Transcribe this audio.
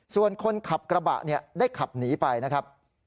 ส่วนคนขับกระบะเนี่ยได้ขับหนีไปนะครับ